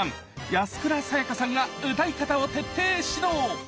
安倉さやかさんが歌い方を徹底指導！